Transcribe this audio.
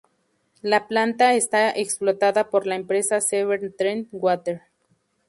La planta está explotada por la empresa Severn Trent Water.